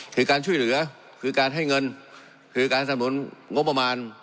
คือการช่วยเหลือคือการให้เงินคือการสนุนงบประมาณ